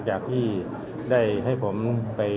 สวัสดีครับ